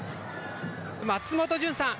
松本潤さん